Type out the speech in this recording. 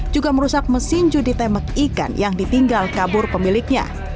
juga merusak mesin judi tembak ikan yang ditinggal kabur pemiliknya